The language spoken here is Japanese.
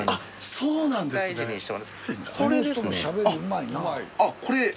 そうなんですか。